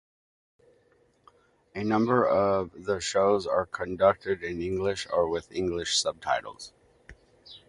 A number of the shows are conducted in English or with English subtitles.